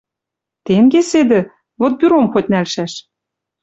Тенге седӹ. Вот бюром хоть нӓлшӓш.